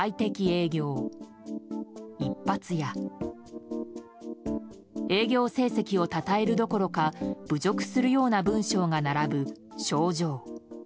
営業成績をたたえるどころか侮辱するような文章が並ぶ賞状。